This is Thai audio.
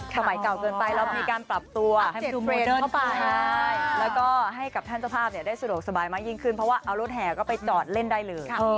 เก่าเกินไปเรามีการปรับตัวให้ดูเทรนด์เข้าไปแล้วก็ให้กับท่านเจ้าภาพได้สะดวกสบายมากยิ่งขึ้นเพราะว่าเอารถแห่ก็ไปจอดเล่นได้เลย